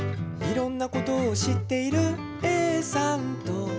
「いろんなことを知っているＡさんと」